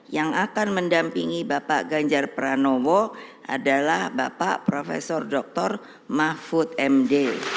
yang akan mendampingi bapak ganjar pranowo adalah bapak prof dr mahfud md